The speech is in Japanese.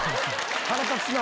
腹立つな！